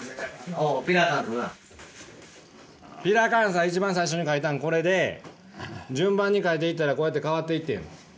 ピラカンサ一番最初に描いたんこれで順番に描いていったらこうやって変わっていってん。